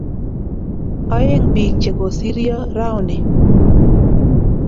Oeng' biik che kosirio rauni